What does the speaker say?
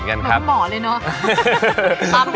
เหมือนคุณหมอเลยเนาะ